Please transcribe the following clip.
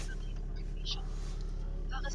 پروردګار په خپلو بندګانو ډېر مهربان دی.